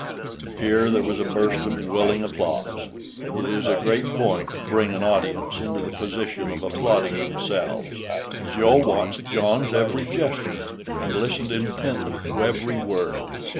Here there was a burst of willing applause. It is a great point to bring an audience into the position of applauding themselves. Joe watched John's every gesture, and listened intently to every word.